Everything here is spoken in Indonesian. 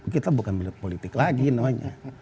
kita bukan milik politik lagi namanya